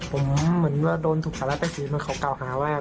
ผมเหมือนว่าโดนถูกสารตะศรีมาเขากล่าวหาว่า